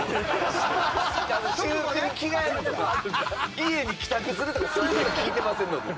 家に帰宅するとかそういう事聞いてませんのでね。